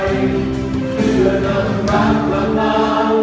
เพื่อนักงานนาน